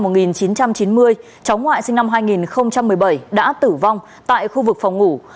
năm một nghìn chín trăm chín mươi cháu ngoại sinh năm hai nghìn một mươi bảy đã tử vong tại khu vực phòng ngủ